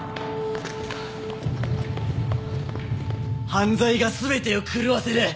・犯罪が全てを狂わせる。